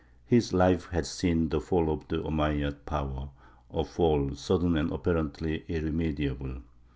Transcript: His life had seen the fall of the Omeyyad power, a fall sudden and apparently irremediable.